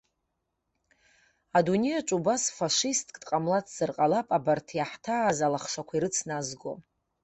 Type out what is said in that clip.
Адунеи аҿы убас фашистк дҟамлацзар ҟалап абарҭ иаҳҭааз алахшақәа ирыцназго.